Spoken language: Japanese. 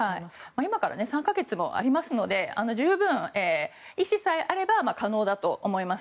今から３か月もありますので十分、意志さえあれば可能だと思います。